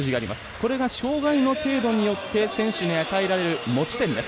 これが障がいの程度によって選手に与えられる持ち点です。